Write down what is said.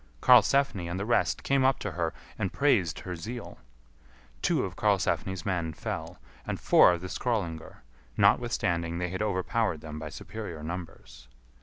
Karlsefni and the rest came up to her and praised her zeal. Two of Karlsefni's men fell, and four of the Skrœlingar, notwithstanding they had overpowered them by superior numbers.